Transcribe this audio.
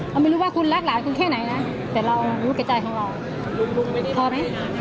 เราไม่รู้ว่าคุณรักหลานคุณแค่ไหนนะแต่เรารู้กับจ่ายของเราพอไหม